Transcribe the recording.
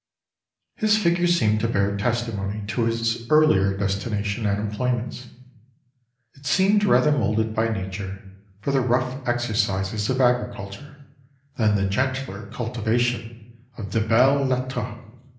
His figure seemed to bear testimony to his earlier destination and employments. It seemed rather moulded by nature for the rough exercises of agriculture, than the gentler cultivation of the Belles Lettres.